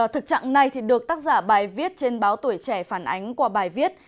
thực trạng này được tác giả bài viết trên báo tuổi trẻ phản ánh qua bài viết